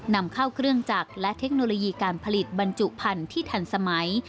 นำเข้าเครื่องจักรและเทคโนโลยีการผลิตบรรจุพันธุ์ที่ทันสมัย